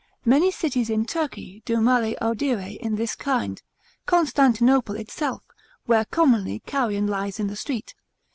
Many cities in Turkey do male audire in this kind: Constantinople itself, where commonly carrion lies in the street.